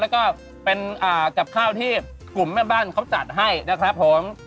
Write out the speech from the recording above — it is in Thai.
แล้วก็เป็นกับข้าวที่กลุ่มแม่บ้านเขาจัดให้นะครับผม